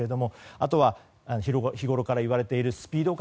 あとは、日ごろからいわれているスピード感